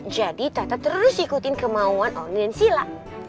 jadi tata terus ikutin kemauan ongin sila